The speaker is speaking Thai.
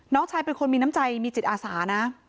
น้องชายเป็นคนมีน้ำใจมีจิตอาสานะ